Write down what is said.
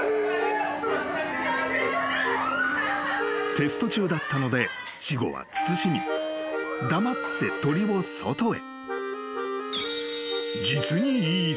［テスト中だったので私語は慎み黙って鳥を外へ］